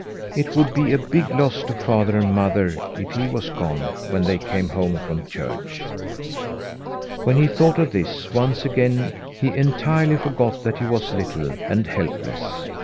It would be a big loss to father and mother if he was gone when they came home from church." When he thought of this, once again he entirely forgot that he was little and helpless.